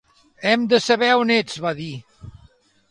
"Hem de saber on ets", va dir.